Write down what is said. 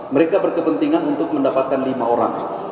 mereka berkepentingan untuk mendapatkan lima orang